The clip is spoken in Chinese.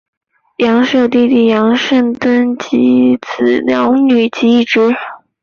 杨氏有弟弟杨圣敦及一子两女及一侄。